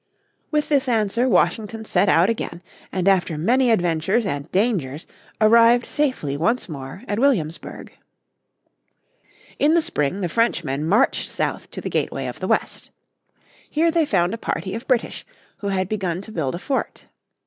With this answer Washington set out again, and after many adventures and dangers arrived safely once more at Williamsburg. In the spring the Frenchmen marched south to the Gateway of the West. Here they found a party of British, who had begun to build a fort.